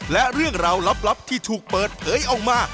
และเรื่องราวลับที่ถูกเปิดเผยออกมา